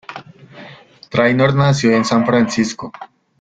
Trainor nació en San Francisco.